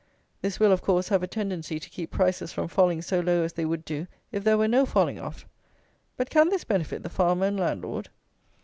This will, of course, have a tendency to keep prices from falling so low as they would do if there were no falling off. But can this benefit the farmer and landlord?